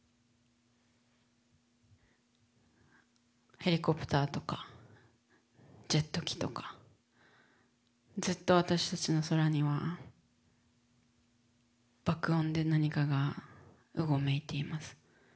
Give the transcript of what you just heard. ヘリコプターとかジェット機とかずっと私たちの空には爆音で何かがうごめいています。